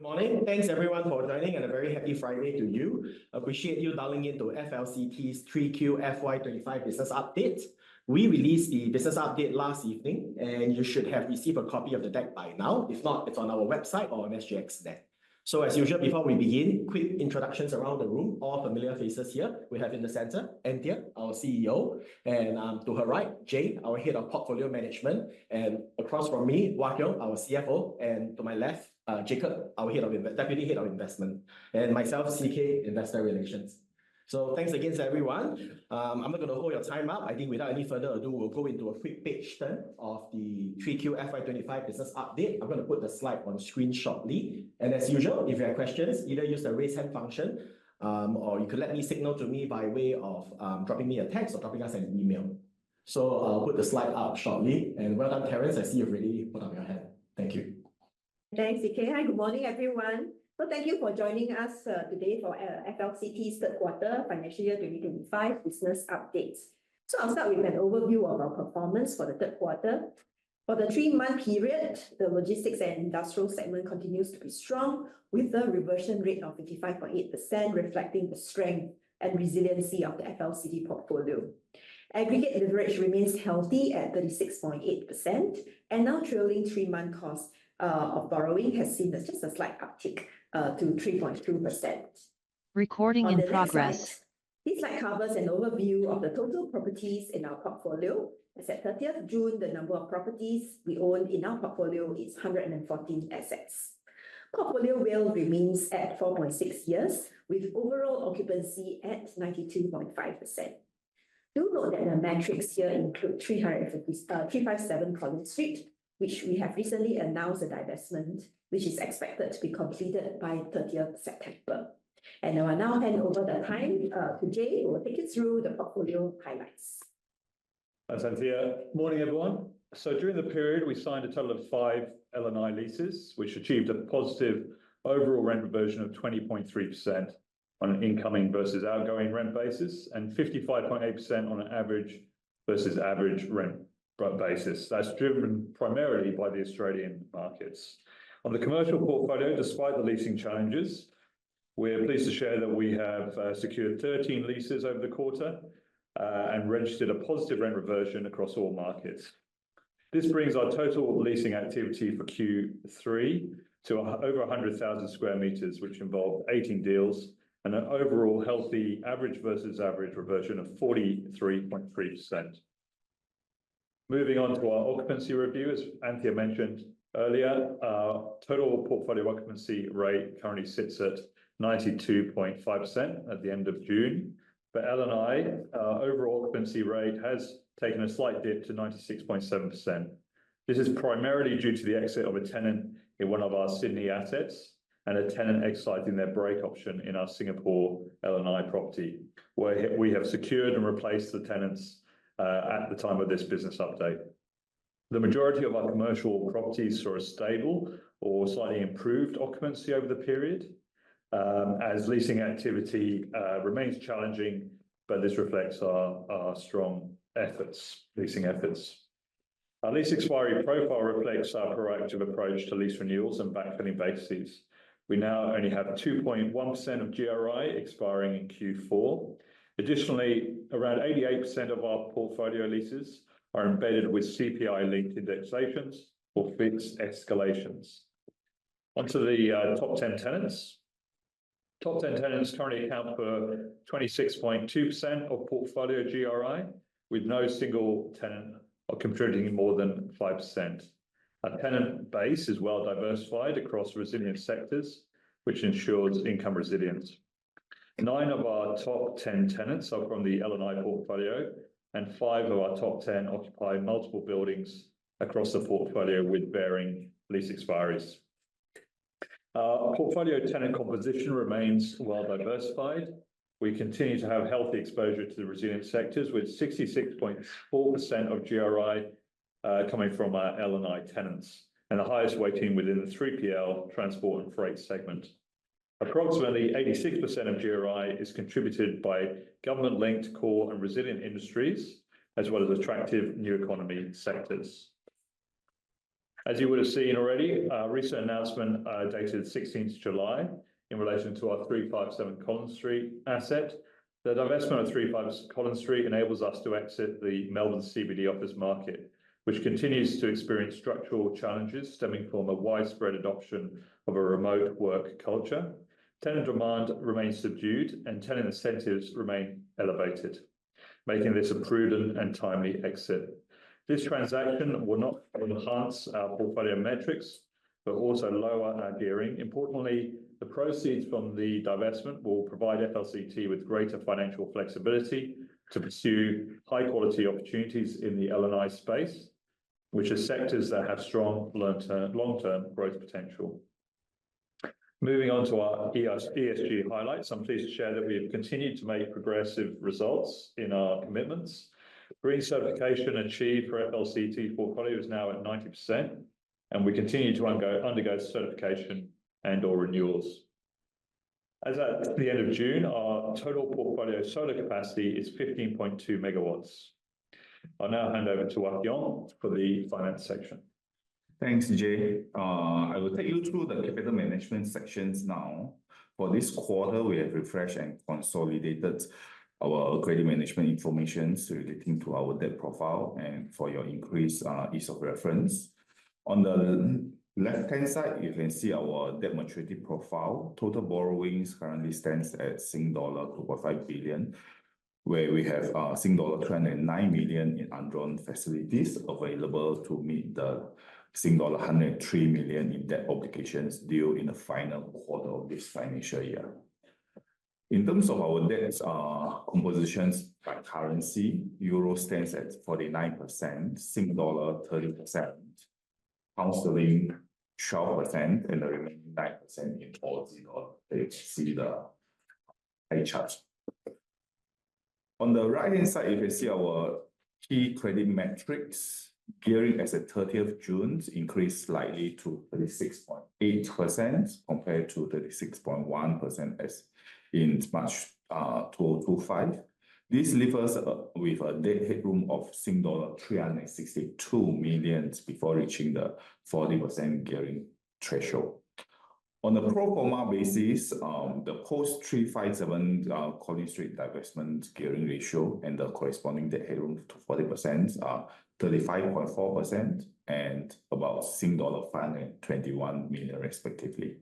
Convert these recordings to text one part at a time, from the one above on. Morning. Thanks everyone for joining and a very happy Friday to you. Appreciate you dialing in to FLCT's 3Q FY 2025 business update. We released the business update last evening, you should have received a copy of the deck by now. If not, it's on our website or on SGX today. As usual, before we begin, quick introductions around the room. All familiar faces here. We have in the center, Anthea, our CEO, to her right, Jay, our Head of Portfolio Management, across from me, Wah Keong, our CFO, to my left, Jacob, our Deputy Head of Investment. Myself, CK, Investor Relations. Thanks again to everyone. I'm not going to hold your time up. I think without any further ado, we'll go into a quick pitch then of the 3Q FY 2025 business update. I'm going to put the slide on screen shortly. As usual, if you have questions, either use the raise hand function, or you could let me signal to me by way of dropping me a text or dropping us an email. I'll put the slide up shortly. Well done, Terence. I see you've already put up your hand. Thank you. Thanks, CK. Hi, good morning, everyone. Thank you for joining us today for FLCT's third quarter financial year 2025 business updates. I'll start with an overview of our performance for the third quarter. For the three-month period, the Logistics & Industrial segment continues to be strong with a reversion rate of 55.8%, reflecting the strength and resiliency of the FLCT portfolio. Aggregate leverage remains healthy at 36.8%, our trailing three-month cost of borrowing has seen just a slight uptick to 3.2%. Recording in progress. On the next slide. This slide covers an overview of the total properties in our portfolio. As at 30th June, the number of properties we own in our portfolio is 114 assets. Portfolio WALE remains at 4.6 years, with overall occupancy at 92.5%. Do note that the metrics here include 357 Collins Street, which we have recently announced a divestment, which is expected to be completed by 30th September. I will now hand over the time to Jay, who will take you through the portfolio highlights. Thanks, Anthea. Morning, everyone. During the period, we signed a total of five L&I leases, which achieved a positive overall rent reversion of 20.3% on an incoming versus outgoing rent basis, and 55.8% on an average versus average rent basis. That is driven primarily by the Australian markets. On the commercial portfolio, despite the leasing challenges, we are pleased to share that we have secured 13 leases over the quarter, and registered a positive rent reversion across all markets. This brings our total leasing activity for Q3 to over 100,000 sq m, which involved 18 deals and an overall healthy average versus average reversion of 43.3%. Moving on to our occupancy review. As Anthea mentioned earlier, our total portfolio occupancy rate currently sits at 92.5% at the end of June. For L&I, our overall occupancy rate has taken a slight dip to 96.7%. This is primarily due to the exit of a tenant in one of our Sydney assets and a tenant exercising their break option in our Singapore L&I property, where we have secured and replaced the tenants at the time of this business update. The majority of our commercial properties saw a stable or slightly improved occupancy over the period, as leasing activity remains challenging, but this reflects our strong leasing efforts. Our lease expiry profile reflects our proactive approach to lease renewals and back-filling vacancies. We now only have 2.1% of GRI expiring in Q4. Additionally, around 88% of our portfolio leases are embedded with CPI-linked indexations or fixed escalations. Onto the top 10 tenants. Top 10 tenants currently account for 26.2% of portfolio GRI, with no single tenant contributing more than 5%. Our tenant base is well diversified across resilient sectors, which ensures income resilience. Nine of our top 10 tenants are from the L&I portfolio, and five of our top 10 occupy multiple buildings across the portfolio with varying lease expiries. Our portfolio tenant composition remains well diversified. We continue to have healthy exposure to the resilient sectors, with 66.4% of GRI coming from our L&I tenants, and the highest weighting within the 3PL, transport, and freight segment. Approximately 86% of GRI is contributed by government-linked core and resilient industries, as well as attractive new economy sectors. As you would have seen already, our recent announcement dated 16th July in relation to our 357 Collins Street asset. The divestment of 357 Collins Street enables us to exit the Melbourne CBD office market, which continues to experience structural challenges stemming from a widespread adoption of a remote work culture. Tenant demand remains subdued, and tenant incentives remain elevated, making this a prudent and timely exit. This transaction will not only enhance our portfolio metrics but also lower our gearing. Importantly, the proceeds from the divestment will provide FLCT with greater financial flexibility to pursue high-quality opportunities in the L&I space, which are sectors that have strong long-term growth potential. Moving on to our ESG highlights. I am pleased to share that we have continued to make progressive results in our commitments. Green certification achieved for FLCT portfolio is now at 90%, and we continue to undergo certification and/or renewals. As at the end of June, our total portfolio solar capacity is 15.2 MW. I will now hand over to Wah Keong for the finance section. Thanks, Jay. I will take you through the capital management sections now. For this quarter, we have refreshed and consolidated our credit management information relating to our debt profile and for your increased ease of reference. On the left-hand side, you can see our debt maturity profile. Total borrowings currently stands at Sing dollar 2.5 billion, where we have Sing dollar 209 million in undrawn facilities available to meet the Sing dollar 103 million in debt obligations due in the final quarter of this financial year. In terms of our debts compositions by currency, EUR stands at 49%, SGD 30%, GBP 12%, and the remaining 9% in AUD, which is hedged. On the right-hand side, you can see our key credit metrics. Gearing as at 30th June increased slightly to 36.8% compared to 36.1% as in March 2025. This leaves us with a debt headroom of Sing dollar 362 million before reaching the 40% gearing threshold. On a pro forma basis, the post 357 Collins Street divestment gearing ratio and the corresponding debt headroom to 40% are 35.4% and about 521 million Sing dollar respectively.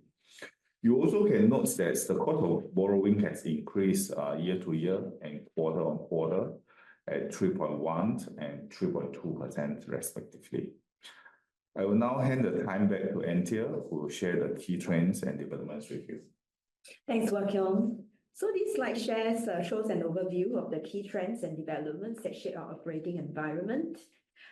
You also can notice that the quarter borrowing has increased year-over-year and quarter-on-quarter at 3.1% and 3.2% respectively. I will now hand the time back to Anthea, who will share the key trends and developments with you. Thanks, Wah Keong. This slide shows an overview of the key trends and developments that shape our operating environment.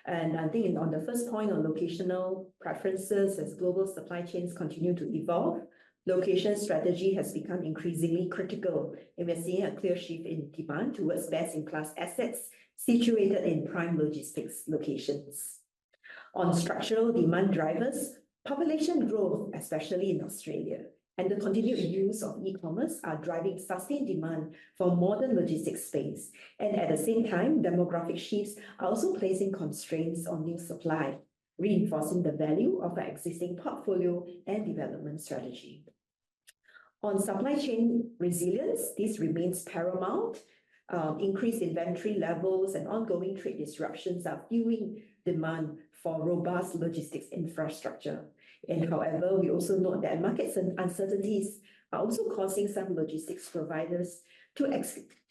I think on the first point on locational preferences, as global supply chains continue to evolve, location strategy has become increasingly critical, and we are seeing a clear shift in demand towards best-in-class assets situated in prime logistics locations. On structural demand drivers, population growth, especially in Australia, and the continued use of e-commerce are driving sustained demand for modern logistics space. At the same time, demographic shifts are also placing constraints on new supply, reinforcing the value of our existing portfolio and development strategy. On supply chain resilience, this remains paramount. Increased inventory levels and ongoing trade disruptions are fueling demand for robust logistics infrastructure. However, we also note that market uncertainties are also causing some logistics providers to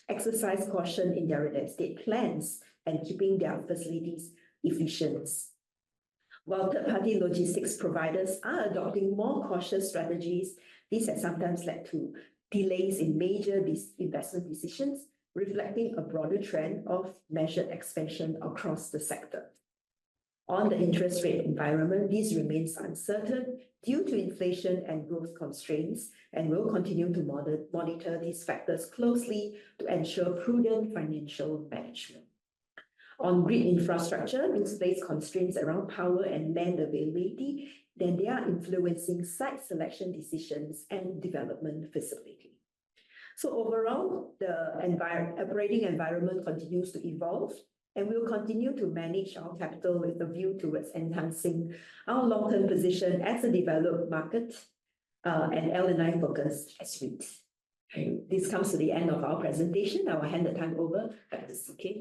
exercise caution in their estate plans and keeping their facilities efficient. While third-party logistics providers are adopting more cautious strategies, this has sometimes led to delays in major investment decisions, reflecting a broader trend of measured expansion across the sector. On the interest rate environment, this remains uncertain due to inflation and growth constraints, and we will continue to monitor these factors closely to ensure prudent financial management. On grid infrastructure, with space constraints around power and land availability, they are influencing site selection decisions and development facility. Overall, the operating environment continues to evolve, and we will continue to manage our capital with a view towards enhancing our long-term position as a developed market and L&I focus as such. This comes to the end of our presentation. I will hand the time over back to Ng Chung Keat.